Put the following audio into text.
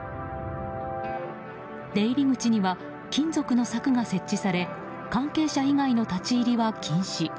出入り口には金属の柵が設置され関係者以外の立ち入りは禁止。